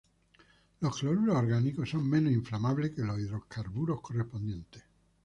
Los cloruros orgánicos son menos inflamables que los hidrocarburos correspondientes.